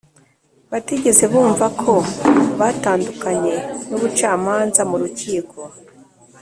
batigeze bumva ko batandukanye n’ubucamanza, murukiko